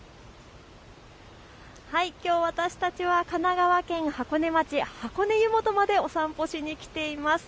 きょう私たちは神奈川県箱根町箱根湯本までお散歩に来ています。